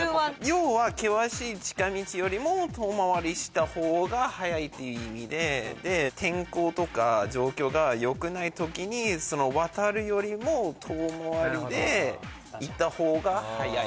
要は険しい近道よりも遠回りした方が早いっていう意味でで天候とか状況がよくない時に渡るよりも遠回りで行った方が早い・